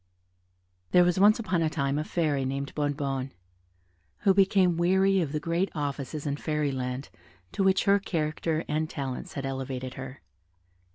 There was once upon a time a Fairy named Bonnebonne, who became weary of the great offices in Fairy Land to which her character and talents had elevated her.